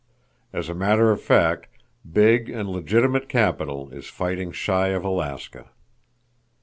"As a matter of fact, big and legitimate capital is fighting shy of Alaska.